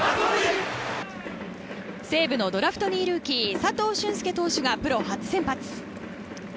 西部のドラフト２位ルーキー佐藤隼輔投手がプロ初先発。